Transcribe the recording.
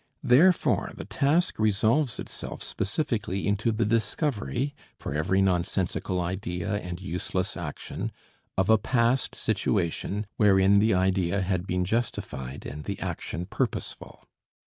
Therefore the task resolves itself specifically into the discovery for every nonsensical idea and useless action of a past situation wherein the idea had been justified and the action purposeful.